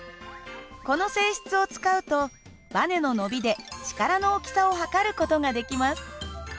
この性質を使うとばねの伸びで力の大きさを測る事ができます。